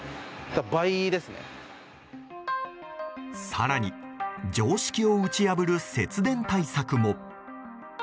更に常識を打ち破る節電対策も。